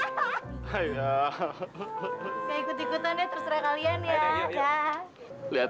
saya ikut ikutan deh terserah kalian ya